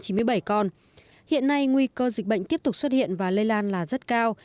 hiện nay nguy cơ dịch bệnh tiếp tục xuất hiện và lây lan là rất cao